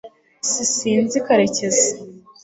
s sinzi karekezi